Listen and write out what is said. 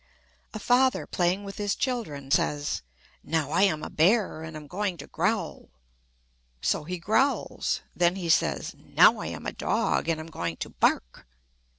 A father, playing with his children, says, "Now I am a bear, and am going to growl." So he growls. Then he says, "Now I am a dog, and am going to bark."